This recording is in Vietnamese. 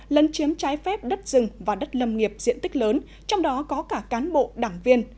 lấn chiếm trái phép đất rừng và đất lâm nghiệp diện tích lớn trong đó có cả cán bộ đảng viên